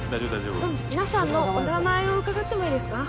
皆さんのお名前を伺ってもいいですか？